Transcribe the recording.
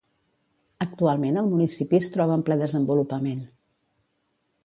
Actualment el municipi es troba en ple desenvolupament.